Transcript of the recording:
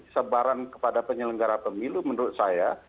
sebaran kepada penyelenggara pemilu menurut saya